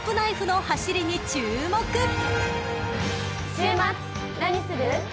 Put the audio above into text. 週末何する？